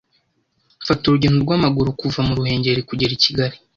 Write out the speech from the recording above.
mfata urugendo rw’amaguru kuva mu ruhengeri kuger i kigali